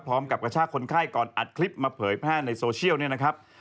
กระชากคนไข้ก่อนอัดคลิปมาเผยแพร่ในโซเชียลเนี่ยนะครับ